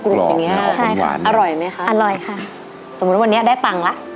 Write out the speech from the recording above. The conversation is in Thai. อย่างเงี้ยยังคงคุ้มหวานอร่อยไหมคะอร่อยค่ะสมมติวันนี้ได้ตังค์ละ